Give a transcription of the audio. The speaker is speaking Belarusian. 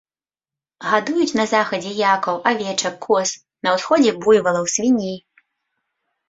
Гадуюць на захадзе якаў, авечак, коз, на ўсходзе буйвалаў, свіней.